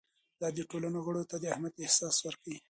دا د ټولنې غړو ته د اهمیت احساس ورکوي.